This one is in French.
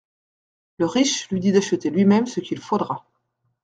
Le riche lui dit d'acheter lui-même ce qu'il faudra.